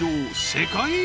世界一